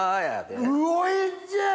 おいしい！